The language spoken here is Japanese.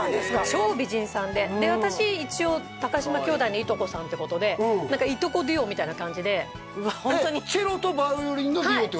超美人さんでで私一応嶋兄弟のいとこさんってことで何かいとこデュオみたいな感じでえっチェロとヴァイオリンのデュオってことですね？